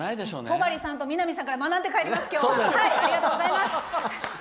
戸張さんと南さんから学んで帰ります、今日は。